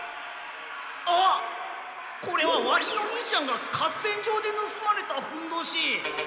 あっこれはワシの兄ちゃんが合戦場でぬすまれたふんどし！